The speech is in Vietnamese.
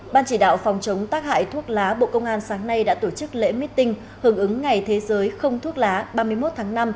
ban chỉ đạo phòng chống tác hại thuốc lá bộ công an sáng nay đã tổ chức lễ meeting hưởng ứng ngày thế giới không thuốc lá ba mươi một tháng năm